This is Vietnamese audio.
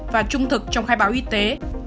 và trung thực trong khai báo y tế